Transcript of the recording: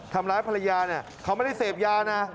ทำร้ายภรรยาเนี่ยเขาไม่ได้เสพยานะ